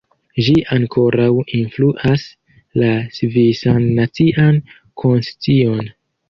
Ĝi ankoraŭ influas la svisan nacian konscion.